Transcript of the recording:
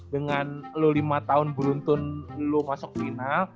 dengan lo lima tahun belum masuk final